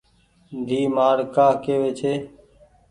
ديئي مآڙ ڪآ هووي ڇي۔